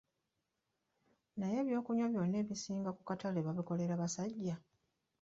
Naye ebyokunywa byonna ebisinga ku katale babikolera basajja?